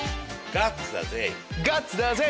ガッツだぜ。